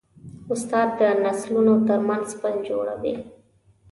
استاد د نسلونو ترمنځ پل جوړوي.